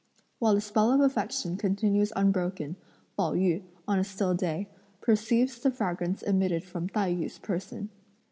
While (the spell) of affection continues unbroken, Pao yü, on a still day, perceives the fragrance emitted from Tai yü's person.